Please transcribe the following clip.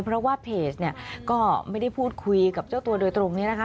เพราะว่าเพจเนี่ยก็ไม่ได้พูดคุยกับเจ้าตัวโดยตรงนี้นะคะ